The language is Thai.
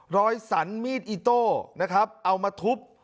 รอยสันมีดอิโต้นะครับเอามาทุบ